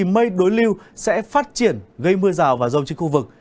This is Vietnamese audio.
mây đối lưu sẽ phát triển gây mưa rào và rông trên khu vực